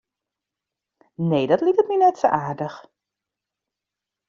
Nee, dat liket my net sa aardich.